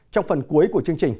trong phần cuối của chương trình